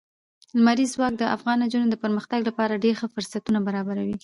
لمریز ځواک د افغان نجونو د پرمختګ لپاره ډېر ښه فرصتونه برابروي.